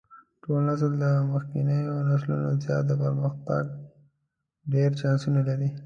نوى نسل تر مخکېنيو نسلونو زيات د پرمختګ ډېر چانسونه لري.